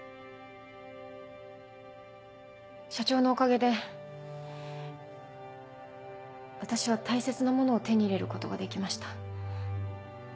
社長のおかげで私は大切なものを手に入れることができました。